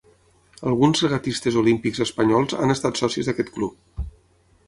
Alguns regatistes olímpics espanyols han estat socis d'aquest club.